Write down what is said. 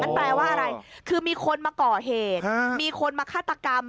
แปลว่าอะไรคือมีคนมาก่อเหตุมีคนมาฆาตกรรม